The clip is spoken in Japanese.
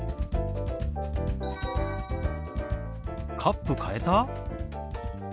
カップ変えた？